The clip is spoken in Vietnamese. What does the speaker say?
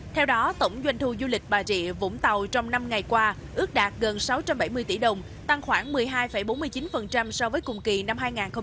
theo đó tổng doanh thu du lịch bà rịa vũng tàu trong năm ngày qua ước đạt gần sáu trăm bảy mươi tỷ đồng tăng khoảng một mươi hai bốn mươi chín so với cùng kỳ năm hai nghìn một mươi chín